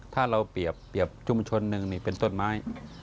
ถ้าเราเปรียบชุมชนหนึ่งนี่เป็นต้นไม้